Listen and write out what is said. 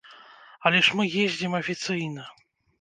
Але ж мы ездзім афіцыйна!